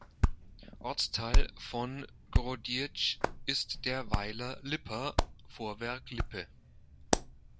Ortsteil von Grodziec ist der Weiler Lipa ("Vorwerk Lippe").